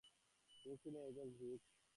তিনি ছিলেন একজন গ্রিক।